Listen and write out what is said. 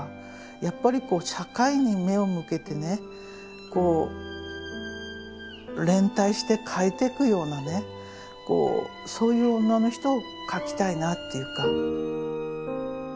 やっぱりこう社会に目を向けてね連帯して書いていくようなねそういう女の人を書きたいなっていうか。